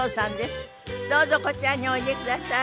どうぞこちらにおいでください。